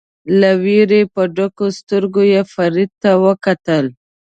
له وېرې په ډکو سترګو یې فرید ته وکتل.